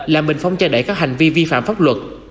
làm mình phong trang đẩy các hành vi vi phạm pháp luật